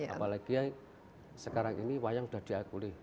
apalagi sekarang ini wayang sudah diakui